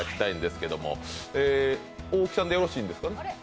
大木さんでよろしいんですかね？